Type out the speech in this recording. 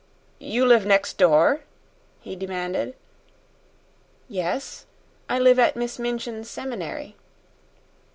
"You live next door?" he demanded. "Yes; I live at Miss Minchin's seminary."